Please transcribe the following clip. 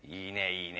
いいね。